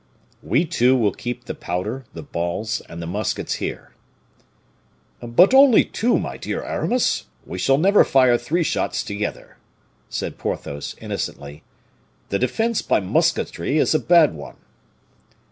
"We two will keep the powder, the balls, and the muskets here." "But only two, my dear Aramis we shall never fire three shots together," said Porthos, innocently, "the defense by musketry is a bad one."